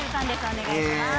お願いします